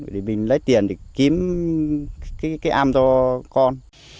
để mình lấy tiền để kiếm cái ăn cho con